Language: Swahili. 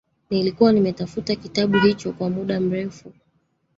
Nilikuwa nimetafuta kitabu hicho kwa muda mrefu.